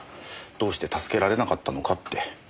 どうして助けられなかったのかって。